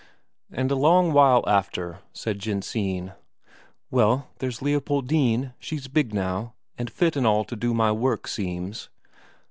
And a long while after, said Jensine: "Well, there's Leopoldine, she's big now, and fit and all to do my work, seems."